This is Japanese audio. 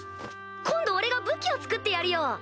今度俺が武器を作ってやるよ！